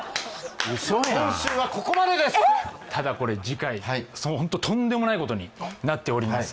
ただこれ次回ホントとんでもないことになっております